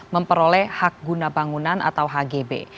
memperoleh hak guna bangunan atau hgb